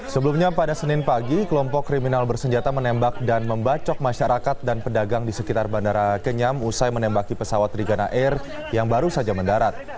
sebelumnya pada senin pagi kelompok kriminal bersenjata menembak dan membacok masyarakat dan pedagang di sekitar bandara kenyam usai menembaki pesawat trigana air yang baru saja mendarat